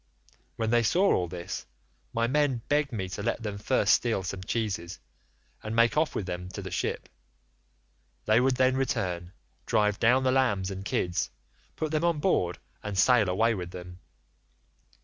When they saw all this, my men begged me to let them first steal some cheeses, and make off with them to the ship; they would then return, drive down the lambs and kids, put them on board and sail away with them.